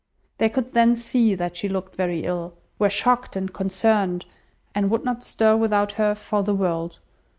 They could then see that she looked very ill, were shocked and concerned, and would not stir without her for the world.